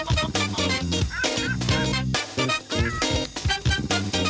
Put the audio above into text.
โอ๊ยวันนี้พร้อมกันจริงค่ะ